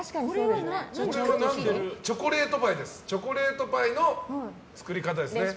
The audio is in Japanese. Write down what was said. これはチョコレートパイの作り方ですね。